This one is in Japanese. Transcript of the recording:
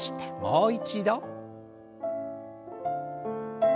もう一度。